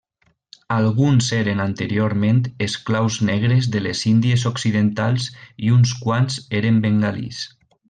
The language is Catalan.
Alguns eren anteriorment esclaus negres de les Índies Occidentals i uns quants eren bengalís.